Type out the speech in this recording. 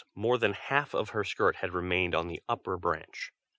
more than half of her skirt had remained on the upper branch.